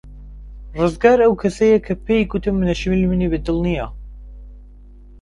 ڕزگار ئەو کەسەیە کە پێی گوتم نەشمیل منی بەدڵ نییە.